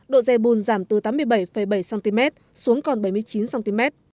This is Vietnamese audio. độ dây bùn giảm từ tám mươi bảy bảy cm xuống còn bảy mươi chín cm